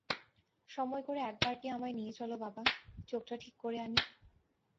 সময় করে একবারটি আমায় নিয়ে চলো বাবা, চোখটা ঠিক করে আনি।